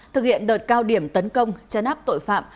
thực hiện đợt cao điểm tấn công chấn áp tội phạm